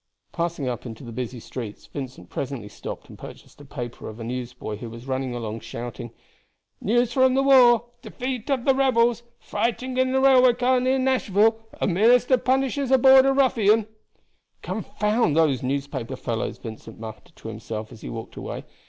Passing up into the busy streets, Vincent presently stopped and purchased a paper of a newsboy who was running along shouting, "News from the war. Defeat of the rebels. Fight in a railway car near Nashville; a minister punishes a border ruffian." "Confound those newspaper fellows!" Vincent muttered to himself as he walked away.